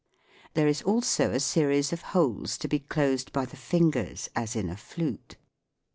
There is also a series of holes to be closed by the fingers as in a flute.